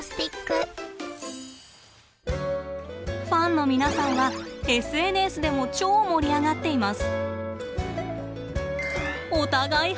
ファンの皆さんはＳＮＳでも超盛り上がっています！